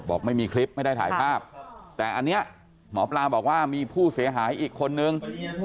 บอกไม่มีคลิปไม่ได้ถ่ายภาพแต่อันนี้หมอปลาบอกว่ามีผู้เสียหายอีกคนนึง